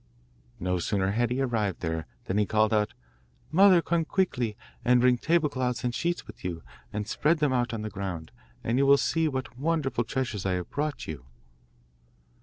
No sooner had he arrived there than he called out: 'Mother, come quickly, and bring table cloths and sheets with you, and spread them out on the ground, and you will soon see what wonderful treasures I have brought you.